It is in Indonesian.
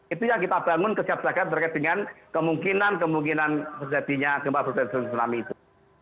itu yang kita bangun kesiapsiagaan terkait dengan kemungkinan kemungkinan terjadinya gempa berpotensi dan tsunami itu